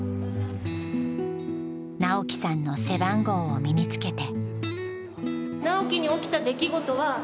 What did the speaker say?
直樹さんの背番号を身につけて。